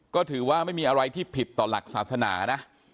ก็ถือว่าไม่มีอะไรที่ผิดต่อหลักศาสนานะ